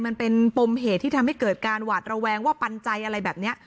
มันเป็นปมเหตุที่ทำให้เกิดการหวาดระแวงว่าปันใจอะไรแบบนี้